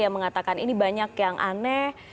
yang mengatakan ini banyak yang aneh